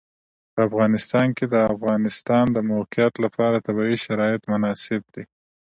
په افغانستان کې د د افغانستان د موقعیت لپاره طبیعي شرایط مناسب دي.